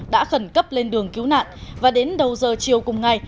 đã khẩn cấp lên đường cứu nạn và đến đầu giờ chiều cùng ngày